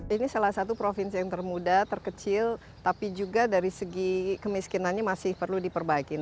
ini salah satu provinsi yang termuda terkecil tapi juga dari segi kemiskinannya masih perlu diperbaikin